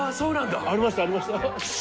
脇）ありましたありました。